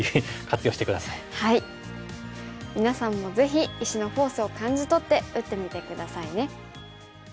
皆さんもぜひ石のフォースを感じとって打ってみて下さいね。